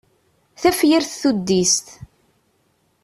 Tafyirt tuddist.